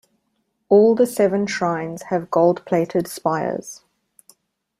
All the seven shrines have gold plated spires.